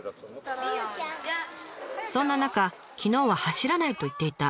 そんな中昨日は走らないと言っていた